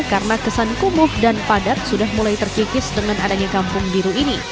karena kesan kumuh dan padat sudah mulai terkikis dengan adanya kampung biru ini